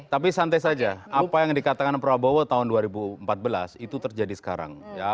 tapi santai saja apa yang dikatakan prabowo tahun dua ribu empat belas itu terjadi sekarang